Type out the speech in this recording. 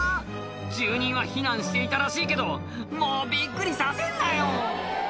住人は避難していたらしいけどもうびっくりさせんなよ